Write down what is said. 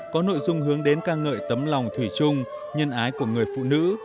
có nội dung hướng đến ca ngợi tấm lòng thủy chung nhân ái của người phụ nữ